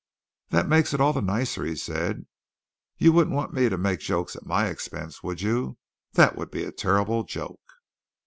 "That makes it all the nicer," he said. "You wouldn't want me to make jokes at my expense, would you? That would be a terrible joke."